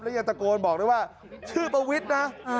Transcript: แล้วยังตะโกนบอกเลยว่าชื่อปวิทธิ์นะ